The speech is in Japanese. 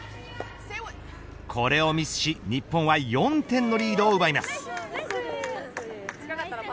これをミスし日本は４点のリードを奪います。